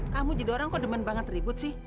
kamu jadi orang kok demen banget ribut sih